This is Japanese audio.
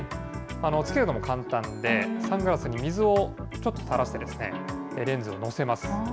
付けるのも簡単で、サングラスに水をちょっとたらしてレンズを載せます。